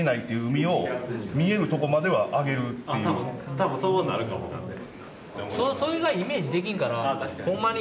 多分そうなるかもわからない。